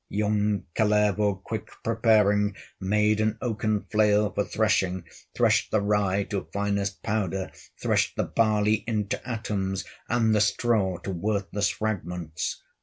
Young Kullervo, quick preparing, Made an oaken flail for threshing, Threshed the rye to finest powder, Threshed the barley into atoms, And the straw to worthless fragments.